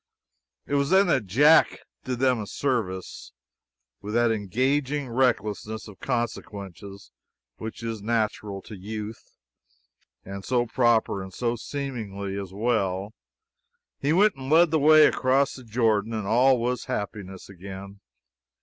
It was then that Jack did them a service. With that engaging recklessness of consequences which is natural to youth, and so proper and so seemly, as well, he went and led the way across the Jordan, and all was happiness again.